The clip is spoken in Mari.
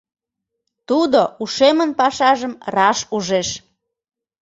Тудо ушемын пашажым раш ужеш.